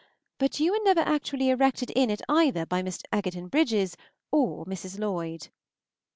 but you were never actually erected in it either by Mr. Egerton Brydges or Mrs. Lloyd.